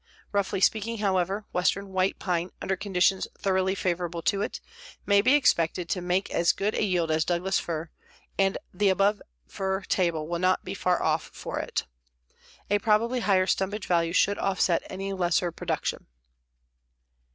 Roughly speaking, however, western white pine, under conditions thoroughly favorable to it, may be expected to make as good a yield as Douglas fir, and the above fir table will not be far off for it. A probably higher stumpage value should offset any lesser production.